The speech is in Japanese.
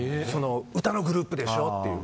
歌のグループでしょっていう。